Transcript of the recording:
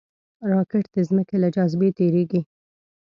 راکټ د ځمکې له جاذبې تېریږي